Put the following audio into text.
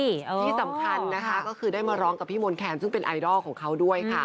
ที่สำคัญนะคะก็คือได้มาร้องกับพี่มนต์แคนซึ่งเป็นไอดอลของเขาด้วยค่ะ